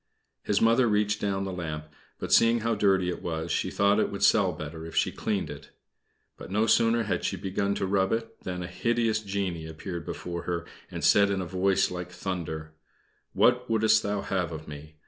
His Mother reached down the lamp; but seeing how dirty it was, she thought it would sell better if she cleaned it. But no sooner had she begun to rub it than a hideous genie appeared before her, and said in a voice like thunder: "What wouldst thou have of me?